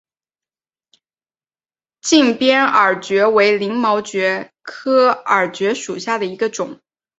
近边耳蕨为鳞毛蕨科耳蕨属下的一个种。